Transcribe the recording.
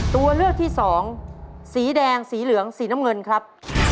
ตัวเลือกที่สองสีแดงสีเหลืองสีน้ำเงินครับ